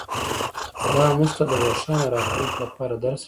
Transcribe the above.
دا موږ ته د روښانه راتلونکي لپاره درس راکوي